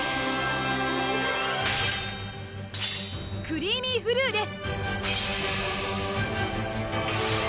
クリーミーフルーレ！